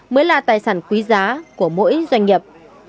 mới là tài sản quý giá của mỗi doanh nghiệp